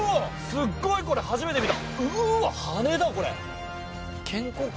すっごいこれ、初めて見た！